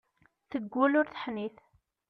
Teggull ur teḥnit.